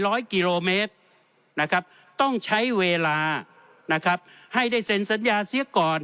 ร้อยกิโลเมตรนะครับต้องใช้เวลานะครับให้ได้เซ็นสัญญาเสียก่อน